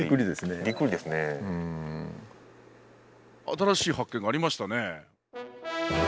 新しい発見がありましたね。